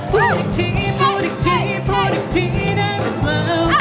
พูดอีกทีพูดอีกทีพูดอีกทีได้หรือเปล่า